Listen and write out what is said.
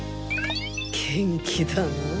元気だなぁ